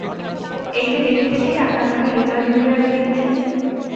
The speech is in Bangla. এই-যে দেখিতেছি আকাঙক্ষা হৃদয় জুড়িয়া রহিয়াছে।